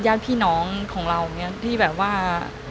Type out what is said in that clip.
ญาติพี่น้องของเราอย่างนี้ที่แบบว่า